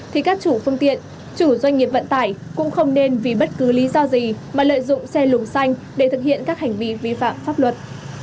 thì các chủ phương tiện chủ doanh nghiệp vận tải cũng không nên vì bất cứ lý do gì mà lợi dụng xe lùng xanh để thực hiện các hành vi vi phạm pháp luật